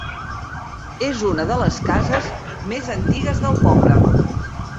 És una de les cases més antigues del poble.